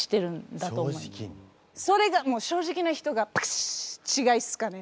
それがもう正直な人がパシッちがいっすかね。